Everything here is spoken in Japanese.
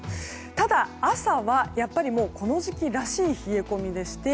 ただ朝はやっぱりこの時期らしい冷え込みでして